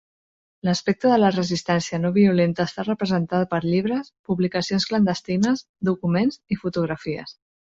L'aspecte de la resistència no violenta està representada per llibres, publicacions clandestines, documents i fotografies.